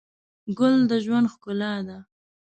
ګل د ژوند ښکلا ده.